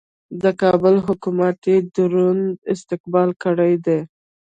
د کابل حکومت یې دروند استقبال کړی دی.